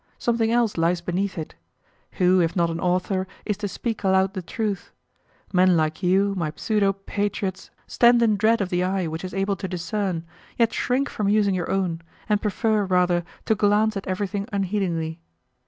Something else lies beneath it. Who, if not an author, is to speak aloud the truth? Men like you, my pseudo patriots, stand in dread of the eye which is able to discern, yet shrink from using your own, and prefer, rather, to glance at everything unheedingly.